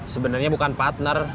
sebenarnya bukan partner